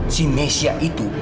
si mesia itu